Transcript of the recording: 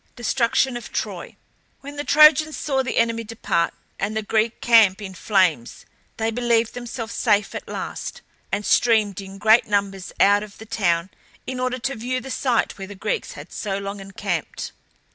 DESTRUCTION OF TROY. When the Trojans saw the enemy depart, and the Greek camp in flames, they believed themselves safe at last, and streamed in great numbers out of the town in order to view the site where the Greeks had so long encamped.